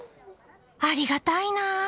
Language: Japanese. ありがたいな！